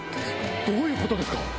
どういうことですか。